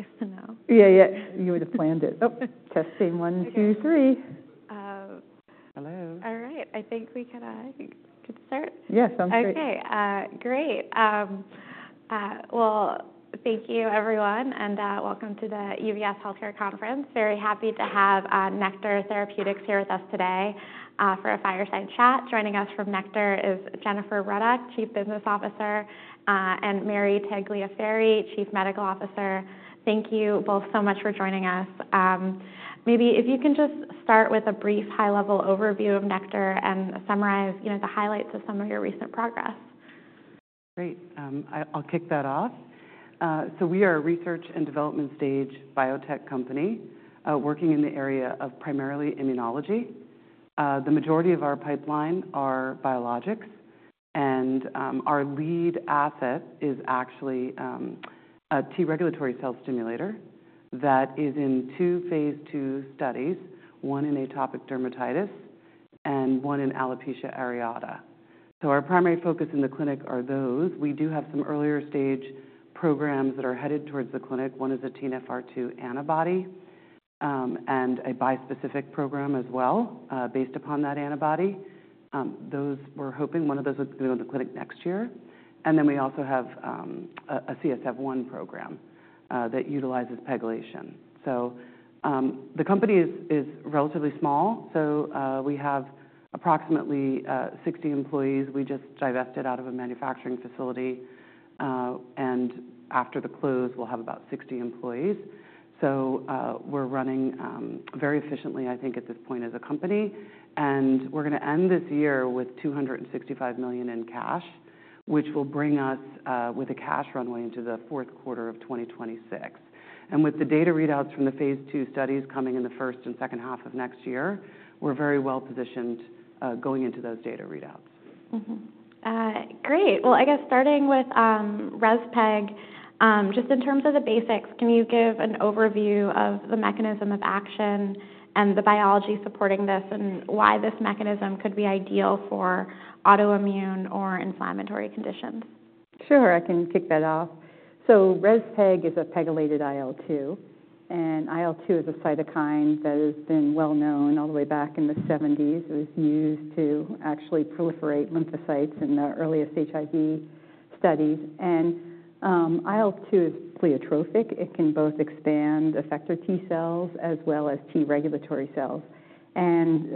Okay. Great. Well, thank you, everyone, and welcome to the UBS Healthcare Conference. Very happy to have Nektar Therapeutics here with us today for a fireside chat. Joining us from Nektar is Jennifer Ruddock, Chief Business Officer, and Mary Tagliaferri, Chief Medical Officer. Thank you both so much for joining us. Maybe if you can just start with a brief high-level overview of Nektar and summarize the highlights of some of your recent progress. Great. I'll kick that off. So we are a research and development stage biotech company working in the area of primarily immunology. The majority of our pipeline are biologics, and our lead asset is actually a T regulatory cell stimulator that is in two phase II studies, one in atopic dermatitis and one in alopecia areata. So our primary focus in the clinic are those. We do have some earlier stage programs that are headed towards the clinic. One is a TNFR2 antibody and a bispecific program as well based upon that antibody. We're hoping one of those is going to go to the clinic next year. And then we also have a CSF1 program that utilizes pegylation. So the company is relatively small. So we have approximately 60 employees. We just divested out of a manufacturing facility. And after the close, we'll have about 60 employees. So we're running very efficiently, I think, at this point as a company. And we're going to end this year with $265 million in cash, which will bring us with a cash runway into the fourth quarter of 2026. And with the data readouts from the phase II studies coming in the first and second half of next year, we're very well positioned going into those data readouts. Great. Well, I guess starting with RezPEG, just in terms of the basics, can you give an overview of the mechanism of action and the biology supporting this and why this mechanism could be ideal for autoimmune or inflammatory conditions? Sure. I can kick that off. So RezPEG is a pegylated IL-2, and IL-2 is a cytokine that has been well known all the way back in the '70s. It was used to actually proliferate lymphocytes in the earliest HIV studies. And IL-2 is pleiotropic. It can both expand effector T cells as well as T regulatory cells. And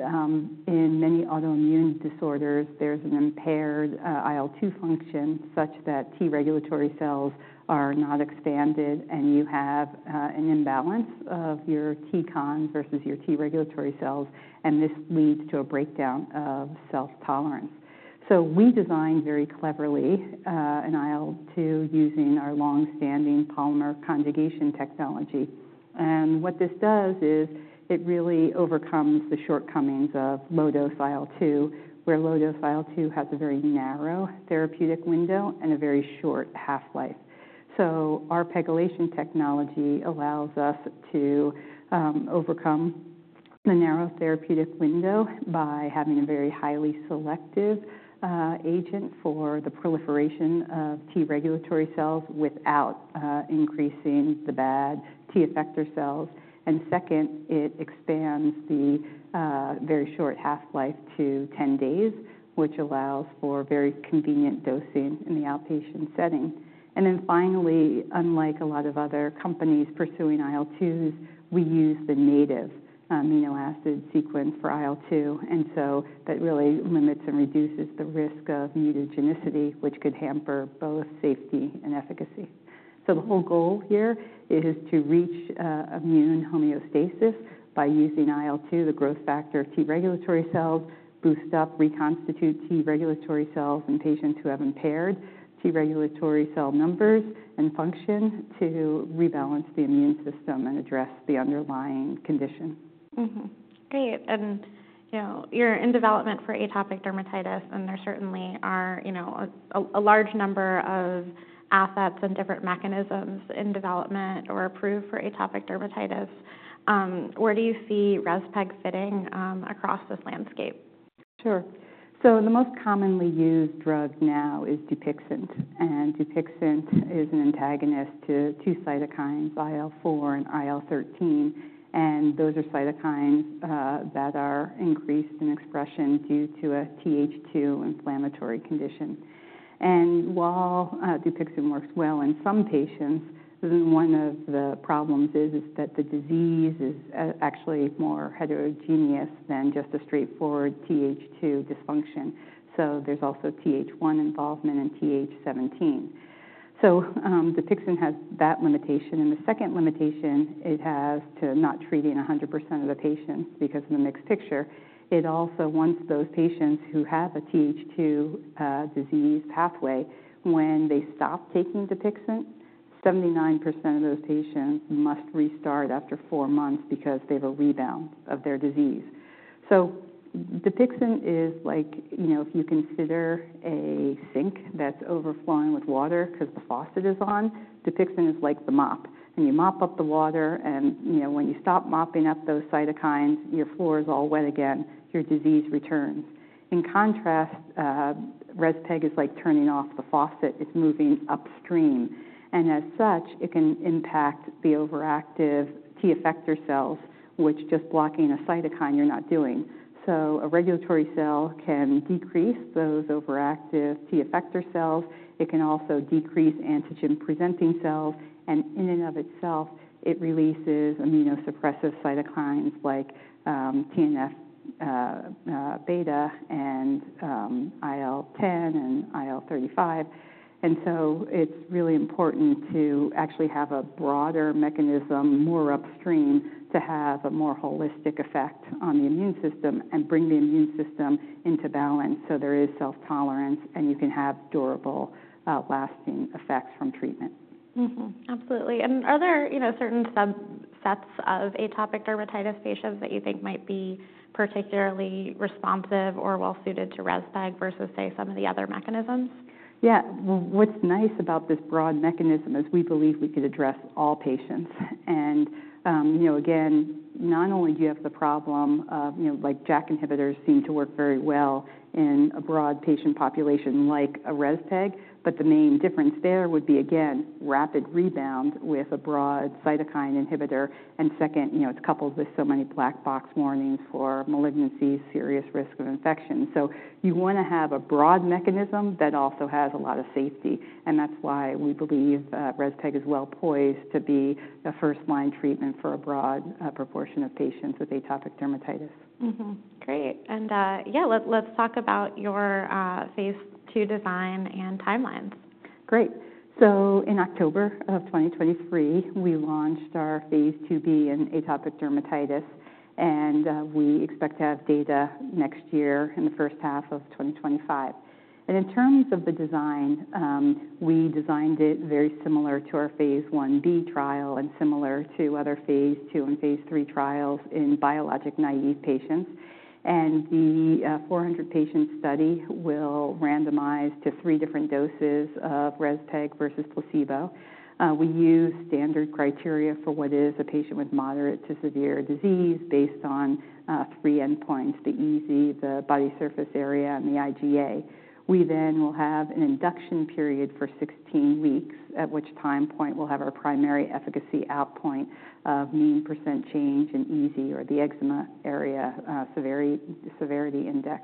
in many autoimmune disorders, there's an impaired IL-2 function such that T regulatory cells are not expanded, and you have an imbalance of your Tconvs versus your T regulatory cells, and this leads to a breakdown of self-tolerance. So we designed very cleverly an IL-2 using our longstanding polymer conjugation technology. And what this does is it really overcomes the shortcomings of low-dose IL-2, where low-dose IL-2 has a very narrow therapeutic window and a very short half-life. So our pegylation technology allows us to overcome the narrow therapeutic window by having a very highly selective agent for the proliferation of T regulatory cells without increasing the bad T effector cells. And second, it expands the very short half-life to 10 days, which allows for very convenient dosing in the outpatient setting. And then finally, unlike a lot of other companies pursuing IL-2s, we use the native amino acid sequence for IL-2, and so that really limits and reduces the risk of mutagenicity, which could hamper both safety and efficacy. So the whole goal here is to reach immune homeostasis by using IL-2, the growth factor of T regulatory cells, boost up, reconstitute T regulatory cells in patients who have impaired T regulatory cell numbers and function to rebalance the immune system and address the underlying condition. Great. And you're in development for atopic dermatitis, and there certainly are a large number of assets and different mechanisms in development or approved for atopic dermatitis. Where do you see RezPEG fitting across this landscape? Sure. So the most commonly used drug now is Dupixent, and Dupixent is an antagonist to two cytokines, IL-4 and IL-13, and those are cytokines that are increased in expression due to a TH2 inflammatory condition, and while Dupixent works well in some patients, one of the problems is that the disease is actually more heterogeneous than just a straightforward TH2 dysfunction, so there's also TH1 involvement and TH17, so Dupixent has that limitation, and the second limitation it has to not treating 100% of the patients because of the mixed picture. It also, once those patients who have a TH2 disease pathway, when they stop taking Dupixent, 79% of those patients must restart after four months because they have a rebound of their disease, so Dupixent is like, if you consider a sink that's overflowing with water because the faucet is on, Dupixent is like the mop. You mop up the water, and when you stop mopping up those cytokines, your floor is all wet again. Your disease returns. In contrast, RezPEG is like turning off the faucet. It's moving upstream. And as such, it can impact the overactive T effector cells, which, just blocking a cytokine, you're not doing. So a regulatory cell can decrease those overactive T effector cells. It can also decrease antigen-presenting cells. And in and of itself, it releases immunosuppressive cytokines like TNF-β and IL-10 and IL-35. And so it's really important to actually have a broader mechanism more upstream to have a more holistic effect on the immune system and bring the immune system into balance so there is self-tolerance and you can have durable, lasting effects from treatment. Absolutely. And are there certain subsets of atopic dermatitis patients that you think might be particularly responsive or well suited to RezPEG versus, say, some of the other mechanisms? Yeah. What's nice about this broad mechanism is we believe we could address all patients. And again, not only do you have the problem of like JAK inhibitors seem to work very well in a broad patient population like a RezPEG, but the main difference there would be, again, rapid rebound with a broad cytokine inhibitor. And second, it's coupled with so many black box warnings for malignancies, serious risk of infection. So you want to have a broad mechanism that also has a lot of safety. And that's why we believe RezPEG is well poised to be a first-line treatment for a broad proportion of patients with atopic dermatitis. Great. And yeah, let's talk about your phase II design and timelines. Great. So in October of 2023, we launched our phase II-B in atopic dermatitis, and we expect to have data next year in the first half of 2025. And in terms of the design, we designed it very similar to our phase I-B trial and similar to other phase II and phase III trials in biologic naive patients. And the 400-patient study will randomize to three different doses of RezPEG versus placebo. We use standard criteria for what is a patient with moderate to severe disease based on three endpoints: the EASI, the body surface area, and the IgA. We then will have an induction period for 16 weeks, at which time point we'll have our primary efficacy endpoint of mean % change in EASI or the eczema area severity index.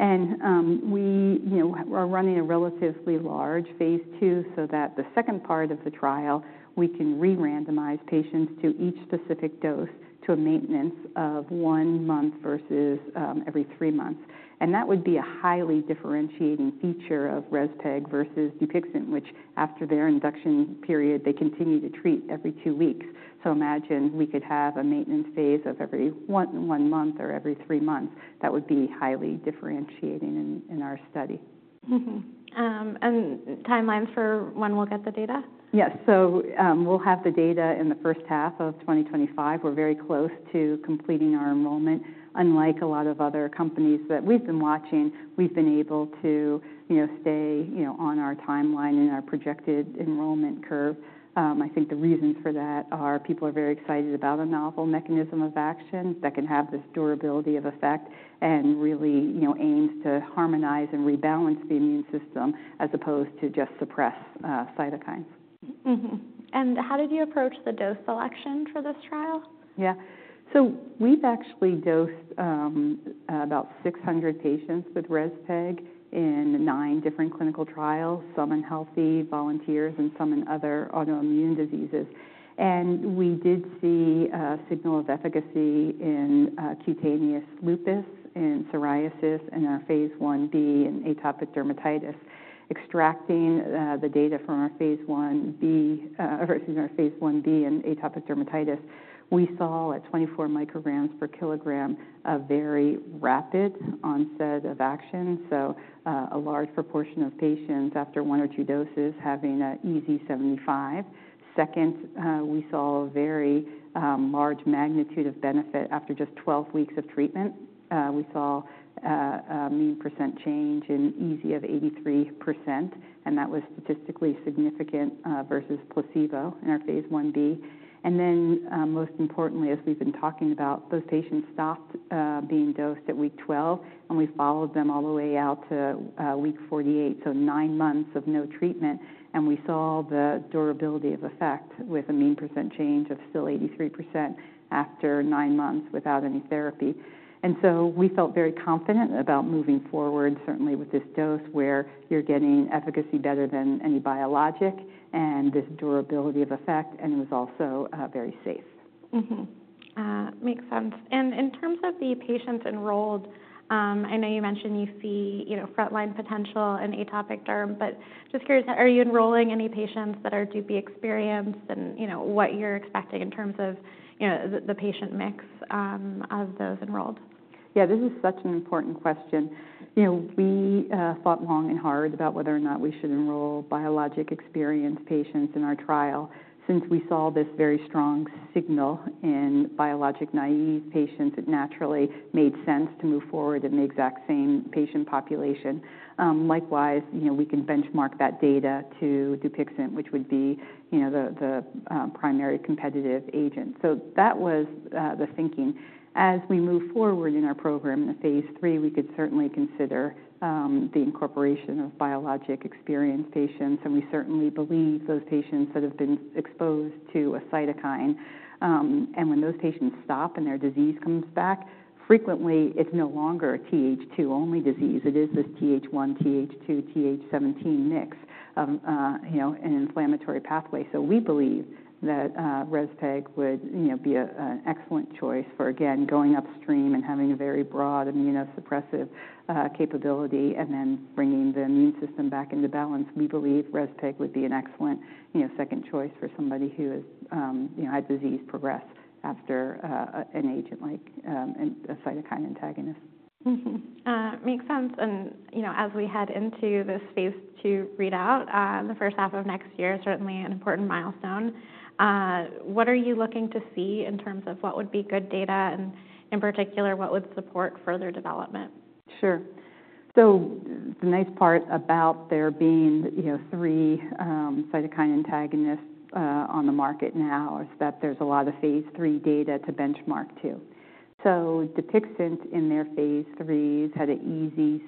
We are running a relatively large phase II so that the second part of the trial, we can re-randomize patients to each specific dose to a maintenance of one month versus every three months. That would be a highly differentiating feature of RezPEG versus Dupixent, which after their induction period, they continue to treat every two weeks. Imagine we could have a maintenance phase of every one month or every three months. That would be highly differentiating in our study. Timelines for when we'll get the data? Yes. So we'll have the data in the first half of 2025. We're very close to completing our enrollment. Unlike a lot of other companies that we've been watching, we've been able to stay on our timeline and our projected enrollment curve. I think the reasons for that are people are very excited about a novel mechanism of action that can have this durability of effect and really aims to harmonize and rebalance the immune system as opposed to just suppress cytokines. How did you approach the dose selection for this trial? Yeah. So we've actually dosed about 600 patients with RezPEG in nine different clinical trials, some in healthy volunteers and some in other autoimmune diseases. And we did see a signal of efficacy in cutaneous lupus and psoriasis in our phase I-B in atopic dermatitis. Extracting the data from our phase 1-B or excuse me, our phase 1-B in atopic dermatitis, we saw at 24 micrograms per kilogram a very rapid onset of action. So a large proportion of patients after one or two doses having an EASI-75. Second, we saw a very large magnitude of benefit after just 12 weeks of treatment. We saw a mean % change in EASI of 83%, and that was statistically significant versus placebo in our phase 1-B. And then most importantly, as we've been talking about, those patients stopped being dosed at week 12, and we followed them all the way out to week 48, so nine months of no treatment. And we saw the durability of effect with a mean percent change of still 83% after nine months without any therapy. And so we felt very confident about moving forward, certainly with this dose where you're getting efficacy better than any biologic and this durability of effect, and it was also very safe. Makes sense. And in terms of the patients enrolled, I know you mentioned you see frontline potential in atopic derm, but just curious, are you enrolling any patients that are Dupixent experienced and what you're expecting in terms of the patient mix of those enrolled? Yeah, this is such an important question. We thought long and hard about whether or not we should enroll biologic experienced patients in our trial. Since we saw this very strong signal in biologic naive patients, it naturally made sense to move forward in the exact same patient population. Likewise, we can benchmark that data to Dupixent, which would be the primary competitive agent. So that was the thinking. As we move forward in our program in phase III, we could certainly consider the incorporation of biologic experienced patients. We certainly believe those patients that have been exposed to a cytokine. When those patients stop and their disease comes back, frequently it's no longer a TH2-only disease. It is this TH1, TH2, TH17 mix of an inflammatory pathway. We believe that RezPEG would be an excellent choice for, again, going upstream and having a very broad immunosuppressive capability and then bringing the immune system back into balance. We believe RezPEG would be an excellent second choice for somebody who has had disease progress after an agent like a cytokine antagonist. Makes sense and as we head into this phase II readout, the first half of next year, certainly an important milestone, what are you looking to see in terms of what would be good data and in particular, what would support further development? Sure, so the nice part about there being three cytokine antagonists on the market now is that there's a lot of phase III data to benchmark to, so Dupixent in their phase IIIs had an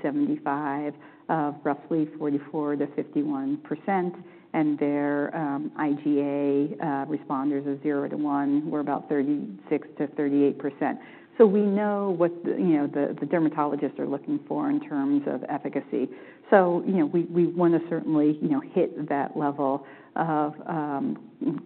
EASI-75 of roughly 44%-51%, and their IgA responders of 0 to 1 were about 36%-38%. So we know what the dermatologists are looking for in terms of efficacy, so we want to certainly hit that level of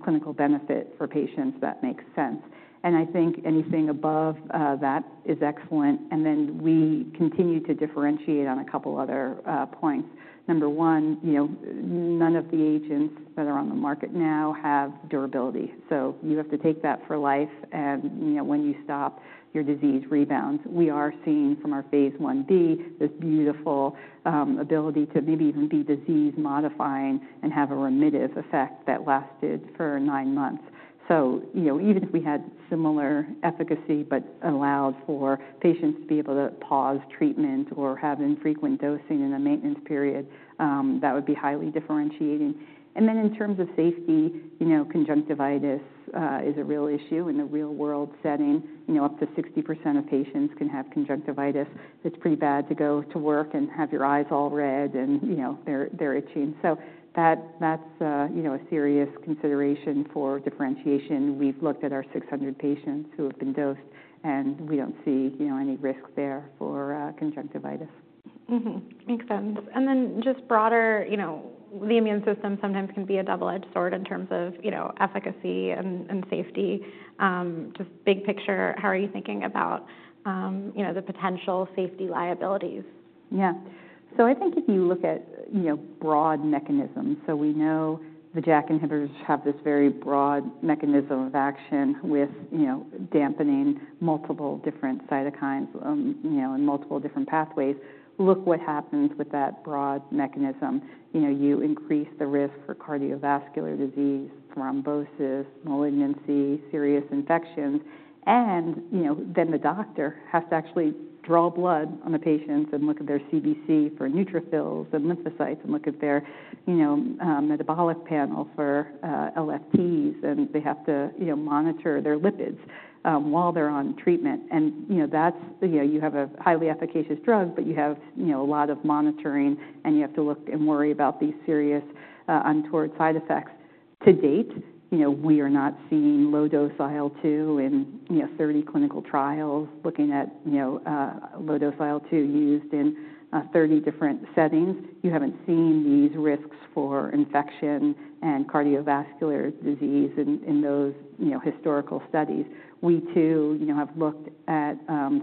clinical benefit for patients that makes sense, and I think anything above that is excellent. And then we continue to differentiate on a couple of other points. Number one, none of the agents that are on the market now have durability, so you have to take that for life, and when you stop, your disease rebounds. We are seeing from our phase I-B this beautiful ability to maybe even be disease modifying and have a remissive effect that lasted for nine months. So even if we had similar efficacy, but allowed for patients to be able to pause treatment or have infrequent dosing in a maintenance period, that would be highly differentiating. And then in terms of safety, conjunctivitis is a real issue in the real-world setting. Up to 60% of patients can have conjunctivitis. It's pretty bad to go to work and have your eyes all red and they're itching. So that's a serious consideration for differentiation. We've looked at our 600 patients who have been dosed, and we don't see any risk there for conjunctivitis. Makes sense. And then just broader, the immune system sometimes can be a double-edged sword in terms of efficacy and safety. Just big picture, how are you thinking about the potential safety liabilities? Yeah. So I think if you look at broad mechanisms, so we know the JAK inhibitors have this very broad mechanism of action with dampening multiple different cytokines in multiple different pathways. Look what happens with that broad mechanism. You increase the risk for cardiovascular disease, thrombosis, malignancy, serious infections. And then the doctor has to actually draw blood on the patients and look at their CBC for neutrophils and lymphocytes and look at their metabolic panel for LFTs. And they have to monitor their lipids while they're on treatment. And you have a highly efficacious drug, but you have a lot of monitoring, and you have to look and worry about these serious untoward side effects. To date, we are not seeing low-dose IL-2 in 30 clinical trials looking at low-dose IL-2 used in 30 different settings. You haven't seen these risks for infection and cardiovascular disease in those historical studies. We too have looked at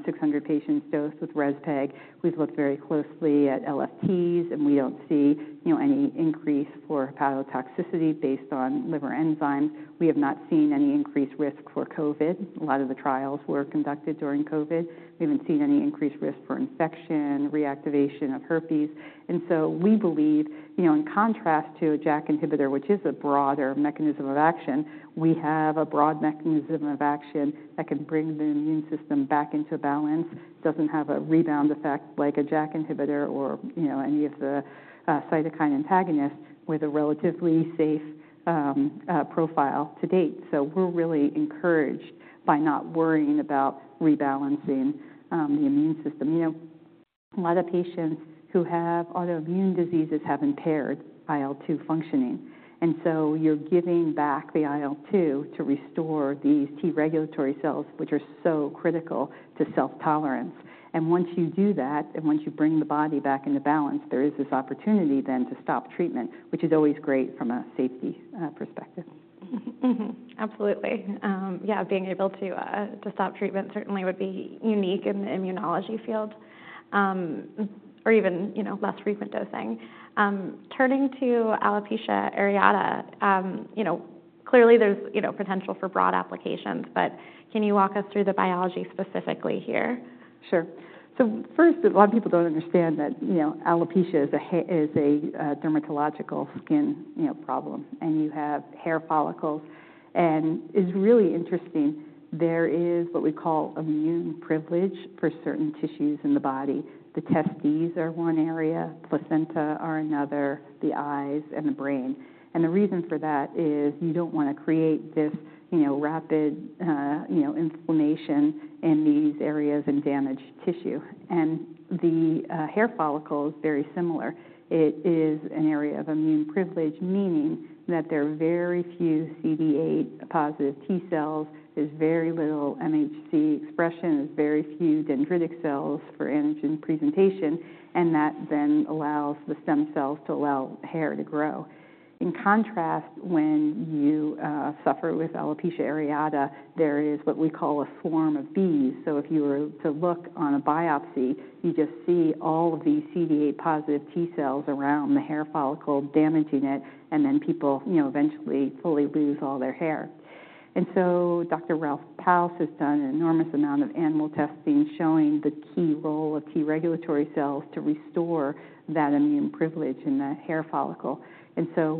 600 patients dosed with RezPEG. We've looked very closely at LFTs, and we don't see any increase for hepatotoxicity based on liver enzymes. We have not seen any increased risk for COVID. A lot of the trials were conducted during COVID. We haven't seen any increased risk for infection, reactivation of herpes. And so we believe, in contrast to a JAK inhibitor, which is a broader mechanism of action, we have a broad mechanism of action that can bring the immune system back into balance. It doesn't have a rebound effect like a JAK inhibitor or any of the cytokine antagonists with a relatively safe profile to date. So we're really encouraged by not worrying about rebalancing the immune system. A lot of patients who have autoimmune diseases have impaired IL-2 functioning, and so you're giving back the IL-2 to restore these T regulatory cells, which are so critical to self-tolerance, and once you do that and once you bring the body back into balance, there is this opportunity then to stop treatment, which is always great from a safety perspective. Absolutely. Yeah, being able to stop treatment certainly would be unique in the immunology field or even less frequent dosing. Turning to alopecia areata, clearly there's potential for broad applications, but can you walk us through the biology specifically here? Sure. So first, a lot of people don't understand that alopecia is a dermatological skin problem, and you have hair follicles. And it's really interesting. There is what we call immune privilege for certain tissues in the body. The testes are one area, placenta are another, the eyes and the brain. And the reason for that is you don't want to create this rapid inflammation in these areas and damage tissue. And the hair follicle is very similar. It is an area of immune privilege, meaning that there are very few CD8 positive T cells, there's very little MHC expression, there's very few dendritic cells for antigen presentation, and that then allows the stem cells to allow hair to grow. In contrast, when you suffer with alopecia areata, there is what we call a swarm of bees. So if you were to look on a biopsy, you just see all of these CD8 positive T cells around the hair follicle damaging it, and then people eventually fully lose all their hair. Dr. Ralf Paus has done an enormous amount of animal testing showing the key role of T regulatory cells to restore that immune privilege in the hair follicle.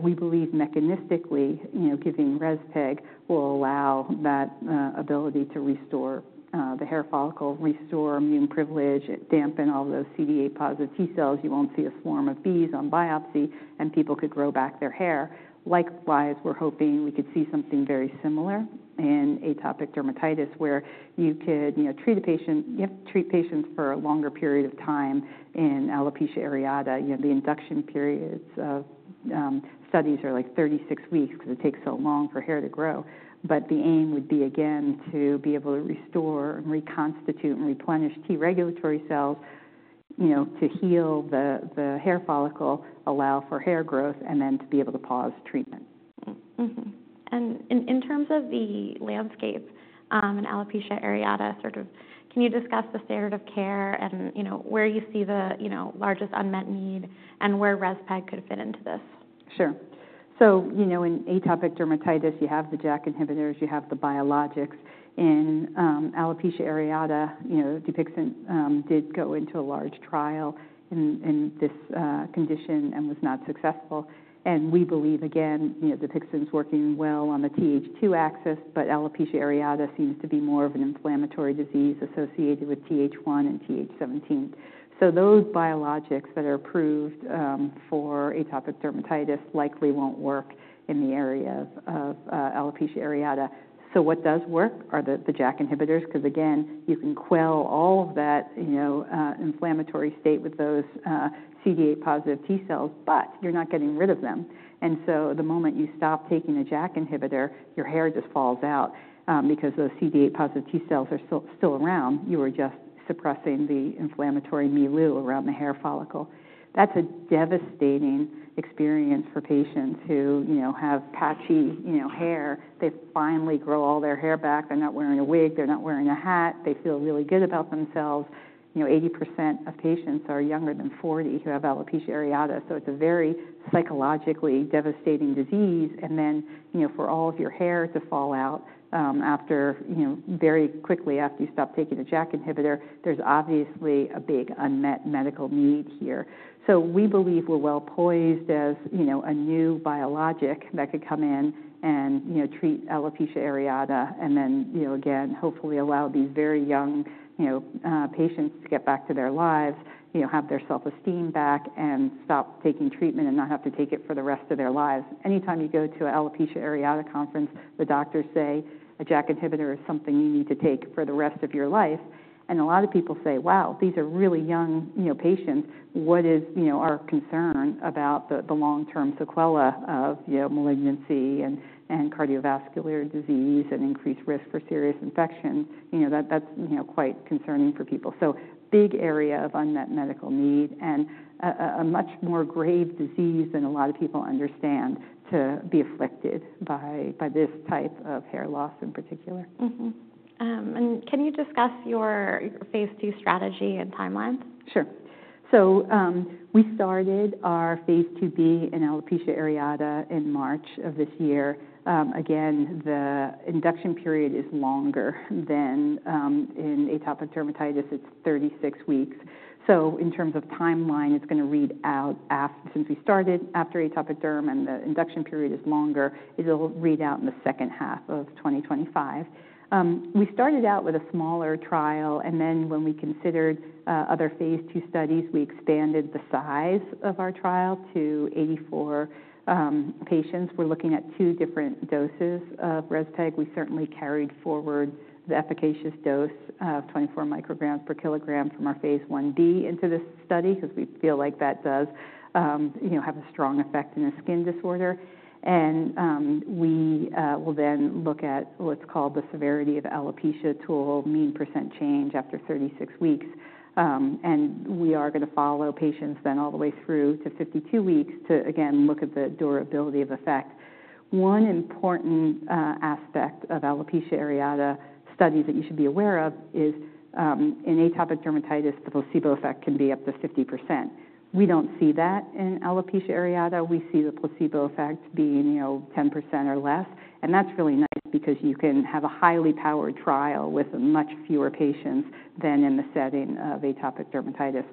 We believe mechanistically giving RezPEG will allow that ability to restore the hair follicle, restore immune privilege, dampen all those CD8 positive T cells. You won't see a swarm of bees on biopsy, and people could grow back their hair. Likewise, we're hoping we could see something very similar in atopic dermatitis where you could treat a patient. You have to treat patients for a longer period of time in alopecia areata. The induction periods of studies are like 36 weeks because it takes so long for hair to grow. But the aim would be, again, to be able to restore and reconstitute and replenish T regulatory cells to heal the hair follicle, allow for hair growth, and then to be able to pause treatment. In terms of the landscape in alopecia areata, sort of can you discuss the standard of care and where you see the largest unmet need and where RezPEG could fit into this? Sure. So in atopic dermatitis, you have the JAK inhibitors, you have the biologics. In alopecia areata, Dupixent did go into a large trial in this condition and was not successful. And we believe, again, Dupixent's working well on the TH2 axis, but alopecia areata seems to be more of an inflammatory disease associated with TH1 and TH17. So those biologics that are approved for atopic dermatitis likely won't work in the area of alopecia areata. So what does work are the JAK inhibitors because, again, you can quell all of that inflammatory state with those CD8 positive T cells, but you're not getting rid of them. And so the moment you stop taking a JAK inhibitor, your hair just falls out because those CD8 positive T cells are still around. You are just suppressing the inflammatory milieu around the hair follicle. That's a devastating experience for patients who have patchy hair. They finally grow all their hair back. They're not wearing a wig. They're not wearing a hat. They feel really good about themselves. 80% of patients are younger than 40 who have alopecia areata. So it's a very psychologically devastating disease. And then for all of your hair to fall out very quickly after you stop taking a JAK inhibitor, there's obviously a big unmet medical need here. So we believe we're well poised as a new biologic that could come in and treat alopecia areata and then, again, hopefully allow these very young patients to get back to their lives, have their self-esteem back, and stop taking treatment and not have to take it for the rest of their lives. Anytime you go to an alopecia areata conference, the doctors say a JAK inhibitor is something you need to take for the rest of your life. And a lot of people say, "Wow, these are really young patients. What is our concern about the long-term sequelae of malignancy and cardiovascular disease and increased risk for serious infections?" That's quite concerning for people. So big area of unmet medical need and a much more grave disease than a lot of people understand to be afflicted by this type of hair loss in particular. Can you discuss your phase II strategy and timeline? Sure. So we started our phase II-B in alopecia areata in March of this year. Again, the induction period is longer than in atopic dermatitis. It's 36 weeks. So in terms of timeline, it's going to read out. Since we started after atopic derm and the induction period is longer, it'll read out in the second half of 2025. We started out with a smaller trial, and then when we considered other phase II studies, we expanded the size of our trial to 84 patients. We're looking at two different doses of RezPEG. We certainly carried forward the efficacious dose of 24 micrograms per kilogram from our phase I-B into this study because we feel like that does have a strong effect in a skin disorder. And we will then look at what's called the Severity of Alopecia Tool mean % change after 36 weeks. We are going to follow patients then all the way through to 52 weeks to, again, look at the durability of effect. One important aspect of alopecia areata studies that you should be aware of is in atopic dermatitis, the placebo effect can be up to 50%. We don't see that in alopecia areata. We see the placebo effect being 10% or less. That's really nice because you can have a highly powered trial with much fewer patients than in the setting of atopic dermatitis.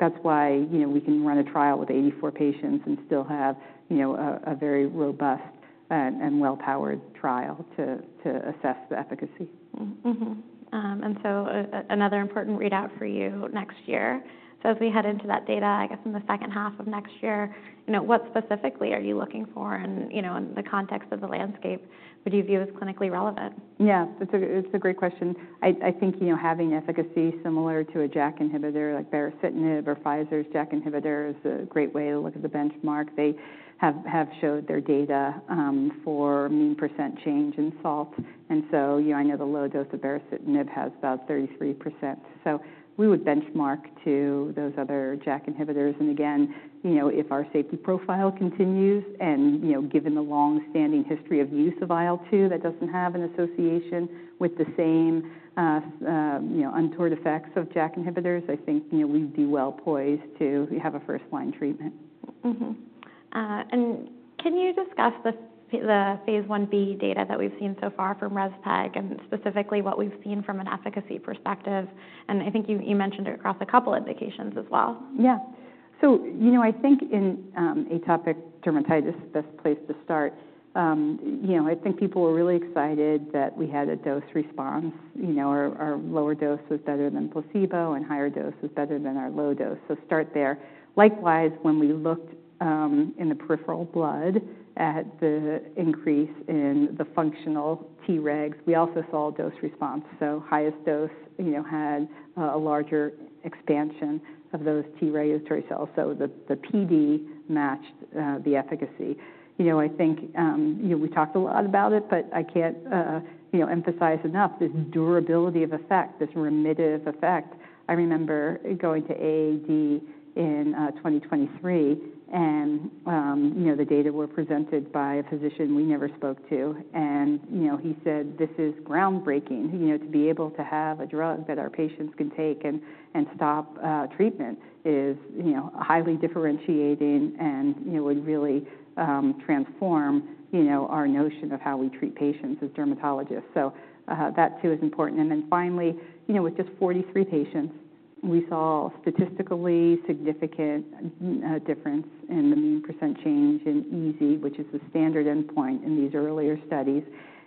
That's why we can run a trial with 84 patients and still have a very robust and well-powered trial to assess the efficacy. And so another important readout for you next year. So as we head into that data, I guess in the second half of next year, what specifically are you looking for in the context of the landscape? What do you view as clinically relevant? Yeah, it's a great question. I think having efficacy similar to a JAK inhibitor like baricitinib or Pfizer's JAK inhibitor is a great way to look at the benchmark. They have showed their data for mean % change in SALT. And so I know the low dose of baricitinib has about 33%. So we would benchmark to those other JAK inhibitors. And again, if our safety profile continues and given the long-standing history of use of IL-2 that doesn't have an association with the same untoward effects of JAK inhibitors, I think we'd be well poised to have a first-line treatment. And can you discuss the phase I-B data that we've seen so far from RezPEG and specifically what we've seen from an efficacy perspective? And I think you mentioned it across a couple of indications as well. Yeah. So I think in atopic dermatitis, best place to start. I think people were really excited that we had a dose response. Our lower dose was better than placebo and higher dose was better than our low dose. So start there. Likewise, when we looked in the peripheral blood at the increase in the functional Tregs, we also saw a dose response. So highest dose had a larger expansion of those T regulatory cells. So the PD matched the efficacy. I think we talked a lot about it, but I can't emphasize enough this durability of effect, this remissive effect. I remember going to AD in 2023, and the data were presented by a physician we never spoke to. And he said, "This is groundbreaking. To be able to have a drug that our patients can take and stop treatment is highly differentiating and would really transform our notion of how we treat patients as dermatologists." So that too is important. And then finally, with just 43 patients, we saw a statistically significant difference in the mean percent change in EASI, which is the standard endpoint in these earlier studies,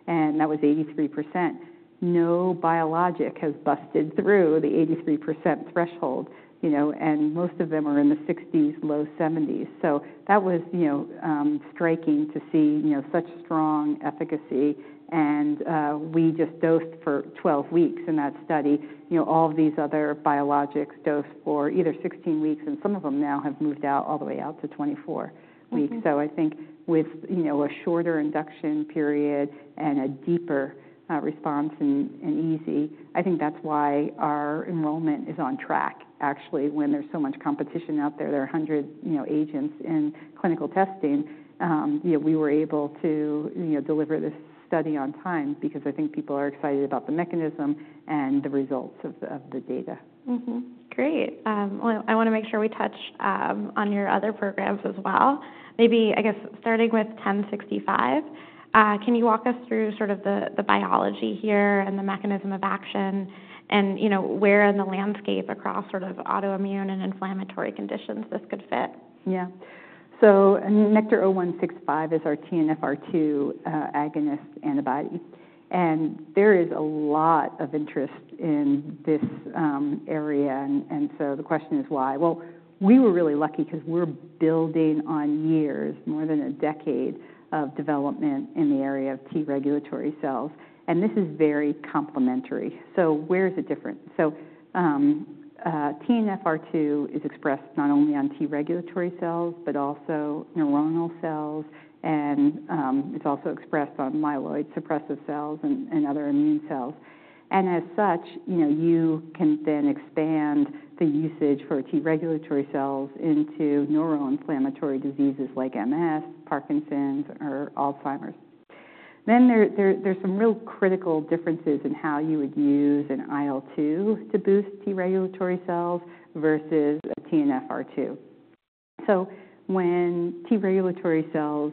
and that was 83%. No biologic has busted through the 83% threshold, and most of them are in the 60s, low 70s. So that was striking to see such strong efficacy. And we just dosed for 12 weeks in that study. All of these other biologics dosed for either 16 weeks, and some of them now have moved all the way out to 24 weeks. So I think with a shorter induction period and a deeper response in EASI, I think that's why our enrollment is on track, actually. When there's so much competition out there, there are hundreds of agents in clinical testing, we were able to deliver this study on time because I think people are excited about the mechanism and the results of the data. Great. Well, I want to make sure we touch on your other programs as well. Maybe, I guess, starting with 1065, can you walk us through sort of the biology here and the mechanism of action and where in the landscape across sort of autoimmune and inflammatory conditions this could fit? Yeah. So NKTR-0165 is our TNFR2 agonist antibody. And there is a lot of interest in this area. And so the question is why? Well, we were really lucky because we're building on years more than a decade of development in the area of T regulatory cells. And this is very complementary. So where is it different? So TNFR2 is expressed not only on T regulatory cells, but also neuronal cells. And it's also expressed on myeloid suppressive cells and other immune cells. And as such, you can then expand the usage for T regulatory cells into neuroinflammatory diseases like MS, Parkinson's, or Alzheimer's. Then there's some real critical differences in how you would use an IL-2 to boost T regulatory cells versus a TNFR2. So when T regulatory cells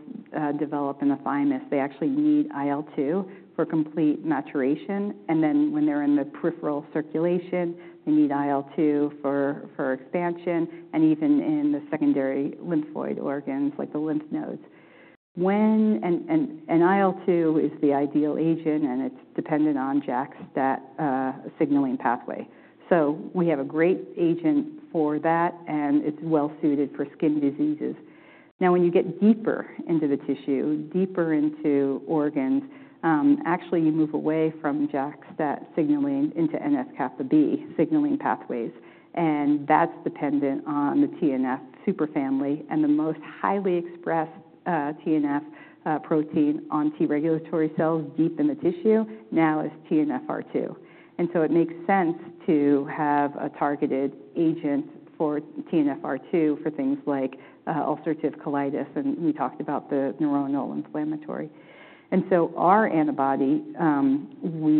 develop in the thymus, they actually need IL-2 for complete maturation. And then when they're in the peripheral circulation, they need IL-2 for expansion and even in the secondary lymphoid organs like the lymph nodes. And IL-2 is the ideal agent, and it's dependent on JAKs that signaling pathway. So we have a great agent for that, and it's well suited for skin diseases. Now, when you get deeper into the tissue, deeper into organs, actually you move away from JAKs that signaling into NF-kappa B signaling pathways. And that's dependent on the TNF superfamily. And the most highly expressed TNF protein on T regulatory cells deep in the tissue now is TNFR2. And so it makes sense to have a targeted agent for TNFR2 for things like ulcerative colitis. And we talked about the neuronal inflammatory. And so our antibody, we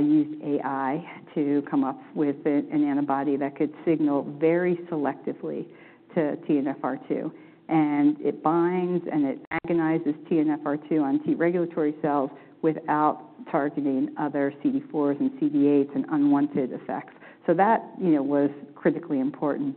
used AI to come up with an antibody that could signal very selectively to TNFR2. It binds and it agonizes TNF-R2 on T regulatory cells without targeting other CD4s and CD8s and unwanted effects. So that was critically important.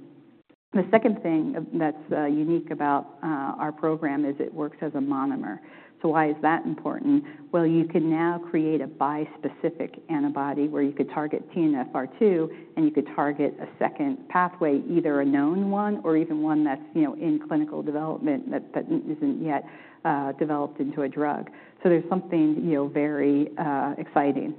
The second thing that's unique about our program is it works as a monomer. So why is that important? Well, you can now create a bispecific antibody where you could target TNF-R2, and you could target a second pathway, either a known one or even one that's in clinical development that isn't yet developed into a drug. So there's something very exciting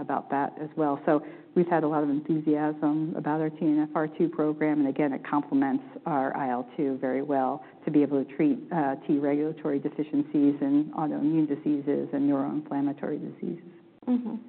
about that as well. So we've had a lot of enthusiasm about our TNF-R2 program. And again, it complements our IL-2 very well to be able to treat T regulatory deficiencies and autoimmune diseases and neuroinflammatory diseases.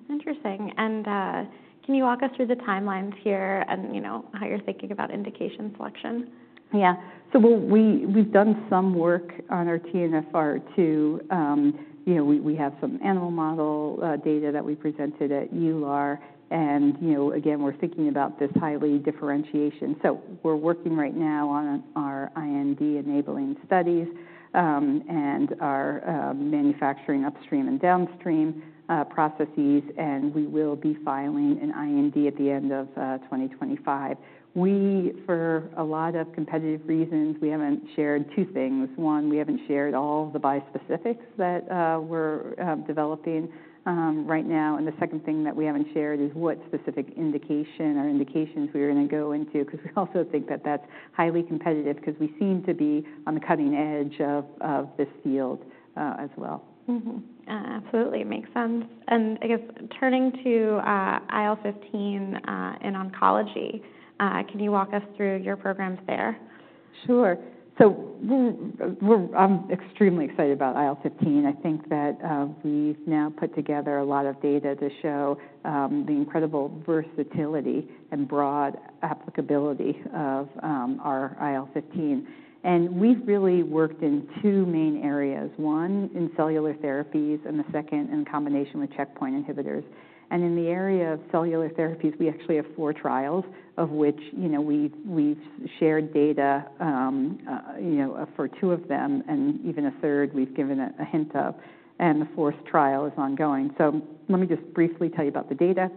Interesting. And can you walk us through the timelines here and how you're thinking about indication selection? Yeah. So we've done some work on our TNFR2. We have some animal model data that we presented at EULAR. And again, we're thinking about this highly differentiation. So we're working right now on our IND enabling studies and our manufacturing upstream and downstream processes. And we will be filing an IND at the end of 2025. We, for a lot of competitive reasons, we haven't shared two things. One, we haven't shared all the bispecifics that we're developing right now. And the second thing that we haven't shared is what specific indication or indications we're going to go into because we also think that that's highly competitive because we seem to be on the cutting edge of this field as well. Absolutely. It makes sense. And I guess turning to IL-15 in oncology, can you walk us through your programs there? Sure. So I'm extremely excited about IL-15. I think that we've now put together a lot of data to show the incredible versatility and broad applicability of our IL-15. And we've really worked in two main areas. One in cellular therapies and the second in combination with checkpoint inhibitors. And in the area of cellular therapies, we actually have four trials of which we've shared data for two of them and even a third we've given a hint of. And the fourth trial is ongoing. So let me just briefly tell you about the data.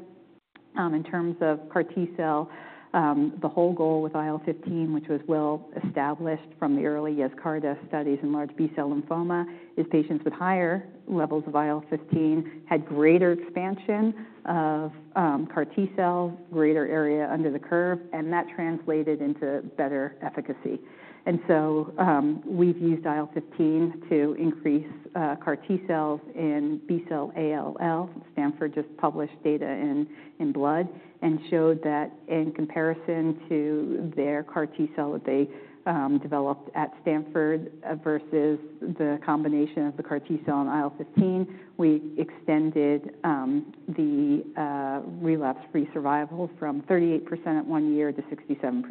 In terms of CAR T cell, the whole goal with IL-15, which was well established from the early Yescarta studies in large B cell lymphoma, is patients with higher levels of IL-15 had greater expansion of CAR T cells, greater area under the curve, and that translated into better efficacy. And so we've used IL-15 to increase CAR T cells in B cell ALL. Stanford just published data in blood and showed that in comparison to their CAR T cell that they developed at Stanford versus the combination of the CAR T cell and IL-15, we extended the relapse-free survival from 38% at one year to 67%.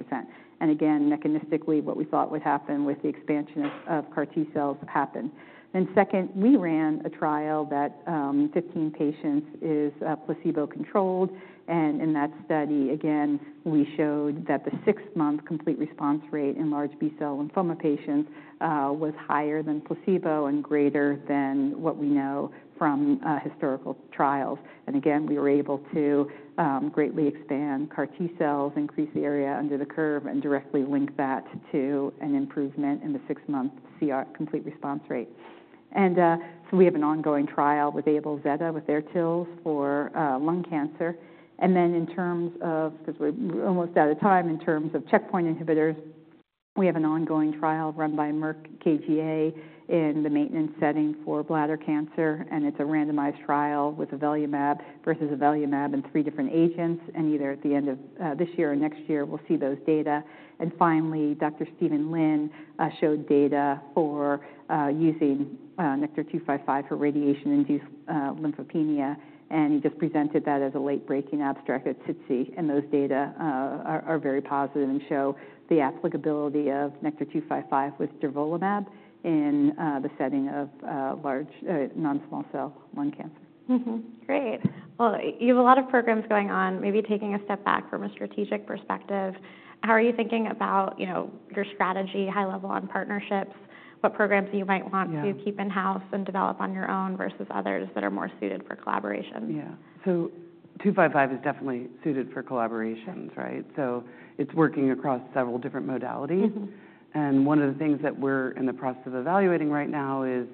And again, mechanistically, what we thought would happen with the expansion of CAR T cells happened. And second, we ran a trial that 15 patients is placebo-controlled. And in that study, again, we showed that the six-month complete response rate in large B cell lymphoma patients was higher than placebo and greater than what we know from historical trials. And again, we were able to greatly expand CAR T cells, increase the area under the curve, and directly link that to an improvement in the six-month complete response rate. We have an ongoing trial with AbelZeta with their TILs for lung cancer. Then in terms of checkpoint inhibitors, we have an ongoing trial run by Merck KGaA in the maintenance setting for bladder cancer. It is a randomized trial with Avelumab versus Avelumab and three different agents. Either at the end of this year or next year, we will see those data. Finally, Dr. Steven Lin showed data for using NKTR-255 for radiation-induced lymphopenia. He just presented that as a late-breaking abstract at SITC. Those data are very positive and show the applicability of NKTR-255 with durvalumab in the setting of locally advanced non-small cell lung cancer. Great. Well, you have a lot of programs going on. Maybe taking a step back from a strategic perspective, how are you thinking about your strategy high level on partnerships, what programs you might want to keep in-house and develop on your own versus others that are more suited for collaboration? Yeah. So 255 is definitely suited for collaborations, right? So it's working across several different modalities. And one of the things that we're in the process of evaluating right now is,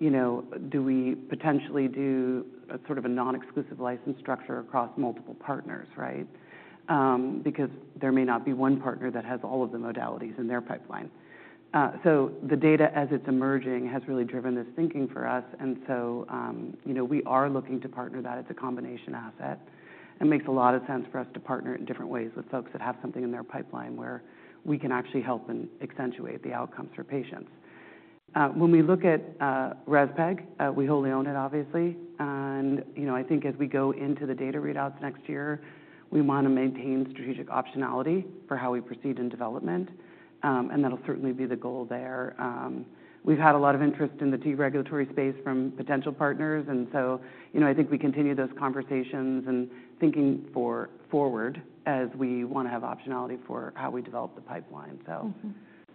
do we potentially do a sort of a non-exclusive license structure across multiple partners, right? Because there may not be one partner that has all of the modalities in their pipeline. So the data as it's emerging has really driven this thinking for us. And so we are looking to partner that. It's a combination asset. It makes a lot of sense for us to partner in different ways with folks that have something in their pipeline where we can actually help and accentuate the outcomes for patients. When we look at RezPEG, we wholly own it, obviously. And I think as we go into the data readouts next year, we want to maintain strategic optionality for how we proceed in development. And that'll certainly be the goal there. We've had a lot of interest in the T regulatory space from potential partners. And so I think we continue those conversations and thinking forward as we want to have optionality for how we develop the pipeline. So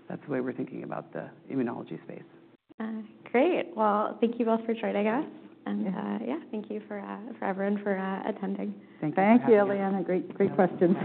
that's the way we're thinking about the immunology space. Great. Thank you both for joining us. Yeah, thank you for everyone for attending. Thank you, Eliana. Great questions.